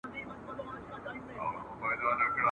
چي بنده کله مغروره په خپل ځان سي !.